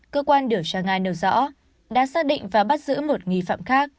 cơ quan điều tra nga nêu rõ đã xác định và bắt giữ một nghi phạm khác